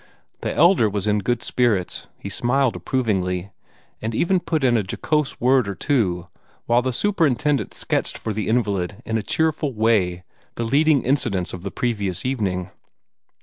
The Elder was in good spirits; he smiled approvingly, and even put in a jocose word or two while the superintendent sketched for the invalid in a cheerful way the leading incidents of the previous evening.